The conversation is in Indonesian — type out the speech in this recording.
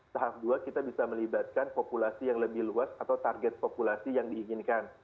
tahap dua kita bisa melibatkan populasi yang lebih luas atau target populasi yang diinginkan